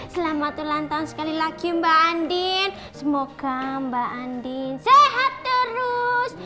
selamat ulang tahun sekali lagi mbak andin semoga mbak andin sehat terus